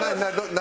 何？